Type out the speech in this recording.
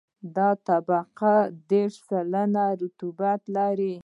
دا طبقه باید دېرش سلنه رطوبت ولري